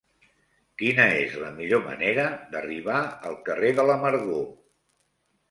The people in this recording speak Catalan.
Quina és la millor manera d'arribar al carrer de l'Amargor?